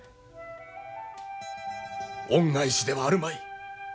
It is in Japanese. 恩返しではあるまい。